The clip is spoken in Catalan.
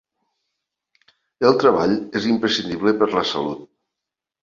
El treball és imprescindible per a la salut.